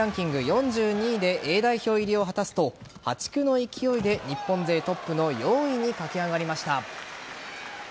４２位でＡ代表入りを果たすと破竹の勢いで日本勢トップの４位に駆け上がりました。